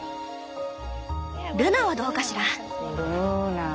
「ルナ」はどうかしら？